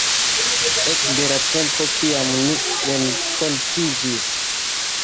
Ekde la tempo kiam ni renkontiĝis...